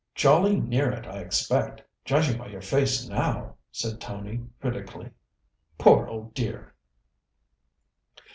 "Jolly near it, I expect, judging by your face now," said Tony critically. "Poor old dear!"